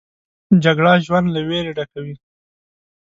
جګړه ژوند له ویرې ډکوي